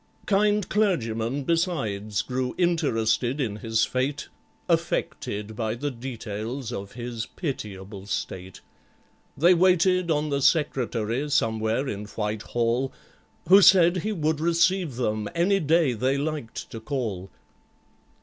Kind Clergymen, besides, grew interested in his fate, Affected by the details of his pitiable state. They waited on the Secretary, somewhere in Whitehall, Who said he would receive them any day they liked to call.